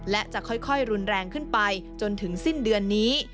และจะค่อยรุนแรงขึ้นไปจนถึงสิ้นเดือนนี้